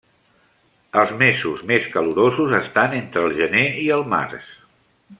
Els mesos més calorosos estan entre el gener i el març.